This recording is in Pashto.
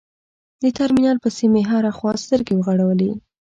د ترمینل پسې مې هره خوا سترګې وغړولې.